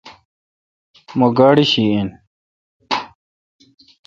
مہ گاڑی شی این۔